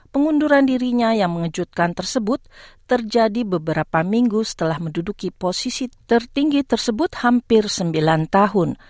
pengunduran dirinya yang mengejutkan tersebut terjadi beberapa minggu setelah menduduki posisi tertinggi tersebut hampir sembilan tahun